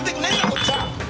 こっちは。